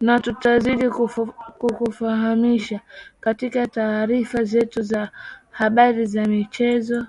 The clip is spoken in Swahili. na tutazidi kukufahamisha katika taarifa zetu za habari za michezo